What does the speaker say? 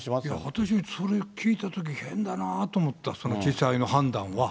私はそれ聞いたとき、変だなと思った、その地裁の判断は。